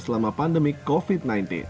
selama pandemi covid sembilan belas